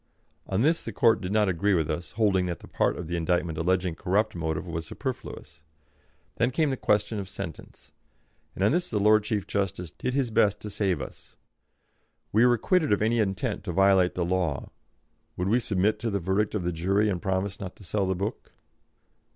On this the Court did not agree with us, holding that the part of the indictment alleging corrupt motive was superfluous. Then came the question of sentence, and on this the Lord Chief Justice did his best to save us; we were acquitted of any intent to violate the law; would we submit to the verdict of the jury and promise not to sell the book?